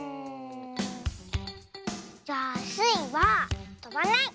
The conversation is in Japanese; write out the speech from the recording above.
じゃあスイはとばない！